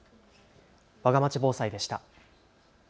わがまち防災でした。